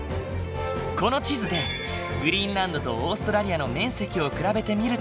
この地図でグリーンランドとオーストラリアの面積を比べてみると。